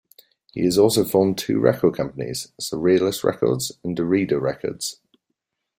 He has also formed two record companies, Surrealist Records and Derrida Records.